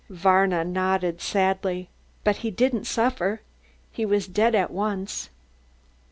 Varna nodded sadly. "But he didn't suffer, he was dead at once."